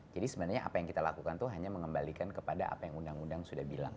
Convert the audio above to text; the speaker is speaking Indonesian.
jadi sebenarnya apa yang kita lakukan itu hanya mengembalikan kepada apa yang undang undang sudah bilang